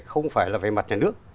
không phải là về mặt nhà nước